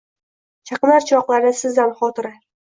Chaqnar chiroqlari sizdan xotira